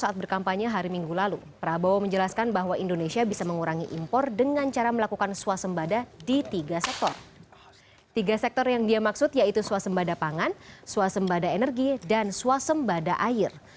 tiga sektor yang dia maksud yaitu suasembada pangan suasembada energi dan suasembada air